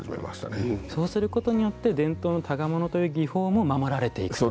そうすることによって伝統の箍物という技法も守られていくという。